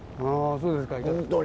あそうですか。